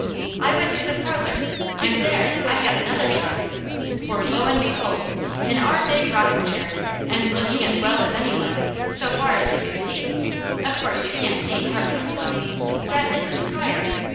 I went to the parlour and there I had another shock; for lo and behold! in our big rocking chair, and looking as well as any one, so far as you could see of course you can't see heart trouble, though sat Mrs. Pryor.